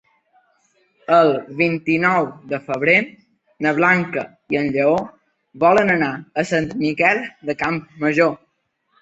El vint-i-nou de febrer na Blanca i en Lleó volen anar a Sant Miquel de Campmajor.